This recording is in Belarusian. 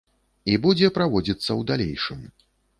І будзе праводзіцца ў далейшым.